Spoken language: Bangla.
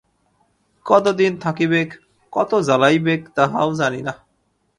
কত দিন থাকিবেক, কত জ্বলাইবেক, তাহাও জানি না।